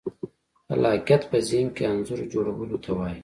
خلاقیت په ذهن کې انځور جوړولو ته وایي.